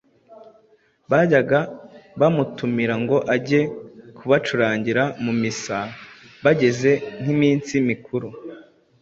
bajyaga bamutumira ngo ajye kubacurangira mu misa bagize nk'iminsi mikuru.